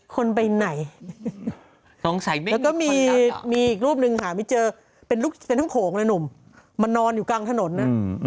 คนไปไหนแล้วก็มีอีกรูปหนึ่งหาไม่เจอเป็นทั้งโขงนะหนุ่มมานอนอยู่กลางถนนนะ